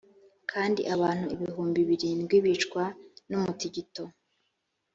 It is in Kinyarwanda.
kandi abantu ibihumbi birindwi bicwa n umutingito